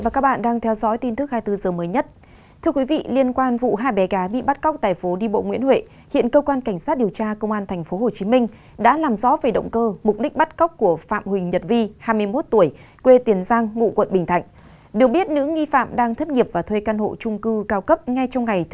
cảm ơn các bạn đã theo dõi